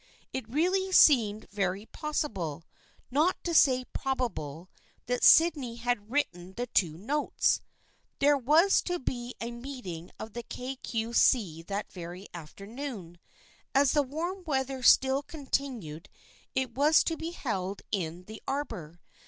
It really seemed very possible, not to say probable, that Sydney had written the two notes. There was to be a meeting of the Kay Cue See that very afternoon. As the warm weather still continued it was to be held in the arbor.